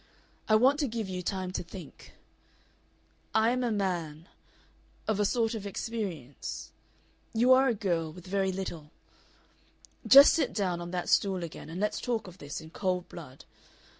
I want to give you time to think. I am a man of a sort of experience. You are a girl with very little. Just sit down on that stool again and let's talk of this in cold blood.